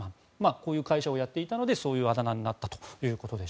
こういう会社をやっていたのでそういうあだ名になったということです。